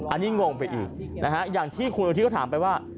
อันนี้งงไปอีกนะฮะอย่างที่คุณอุทธิก็ถามไปว่า